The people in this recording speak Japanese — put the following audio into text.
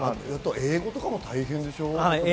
英語も大変でしょ？